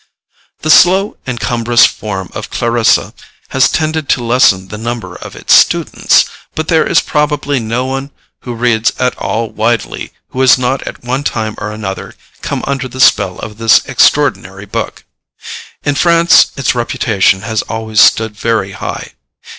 The slow and cumbrous form of Clarissa has tended to lessen the number of its students, but there is probably no one who reads at all widely who has not at one time or another come under the spell of this extraordinary book. In France its reputation has always stood very high.